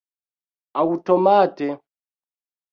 aŭtomate